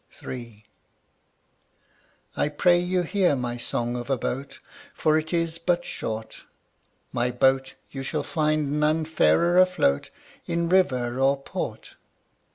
III. I pray you hear my song of a boat, For it is but short: My boat, you shall find none fairer afloat, In river or port.